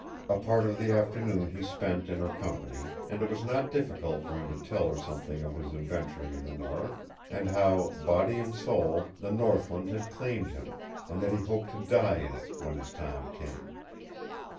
A part of the afternoon he spent in her company, and it was not difficult for him to tell her something of his adventuring in the north, and how, body and soul, the northland had claimed him, and that he hoped to die in it when his time came.